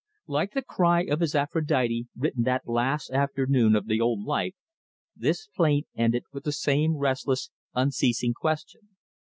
Like the cry of his "Aphrodite," written that last afternoon of the old life, this plaint ended with the same restless, unceasing question.